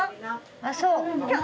ああそう。